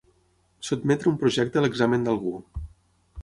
Sotmetre un projecte a l'examen d'algú.